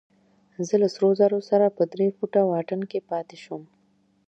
زه له سرو زرو سره په درې فوټه واټن کې پاتې شوم.